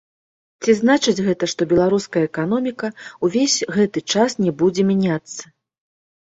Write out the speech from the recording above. Ці значыць гэта, што беларуская эканоміка ўвесь гэты час не будзе мяняцца?